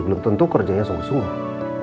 belum tentu kerjanya sungguh sungguh